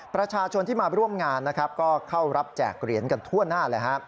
ประชาชนที่มาร่วมงานก็เข้ารับแจกเหรียญกันทั่วหน้า